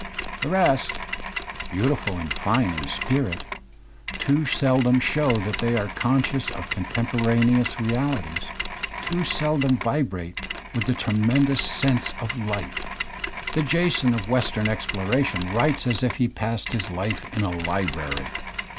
The rest, beauti (^:ti3^f^€ fill and fine in spirit, too seldom show that they are conscious ^colf r; of contemporaneous reaUties, too seldom vibrate with a^W^ tremendous sense of life. The Jason of western exploration writes as if he had passed his life in a library.